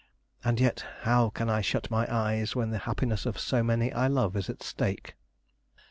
And yet, how can I shut my eyes when the happiness of so many I love is at stake!